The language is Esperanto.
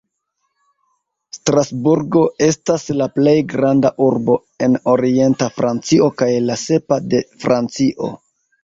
Strasburgo estas la plej granda urbo en orienta Francio, kaj la sepa de Francio.